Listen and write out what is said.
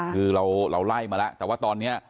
คือเราไล่มาแล้วแต่ว่าตอนนี้